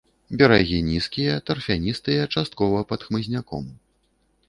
Берагі нізкія, тарфяністыя, часткова пад хмызняком.